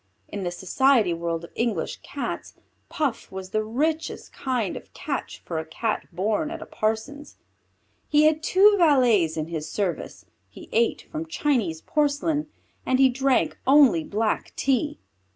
In the society world of English Cats, Puff was the richest kind of catch for a Cat born at a parson's. He had two valets in his service; he ate from Chinese porcelain, and he drank only black tea.